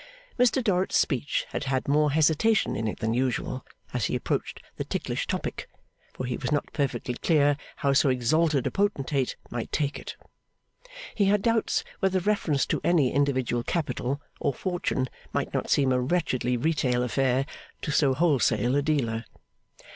Mr Dorrit's speech had had more hesitation in it than usual, as he approached the ticklish topic, for he was not perfectly clear how so exalted a potentate might take it. He had doubts whether reference to any individual capital, or fortune, might not seem a wretchedly retail affair to so wholesale a dealer.